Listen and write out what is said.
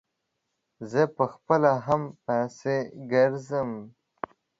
زه په خپله هم پسې ګرځم.